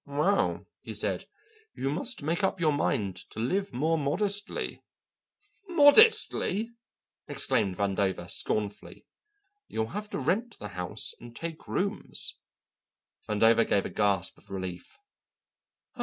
"Well," he said, "you must make up your mind to live more modestly." "Modestly?" exclaimed Vandover, scornfully. "You'll have to rent the house and take rooms." Vandover gave a gasp of relief.